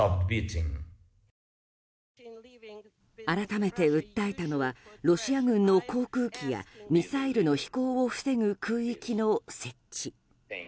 改めて訴えたのはロシア軍の航空機やミサイルの飛行を防ぐ空域の設置。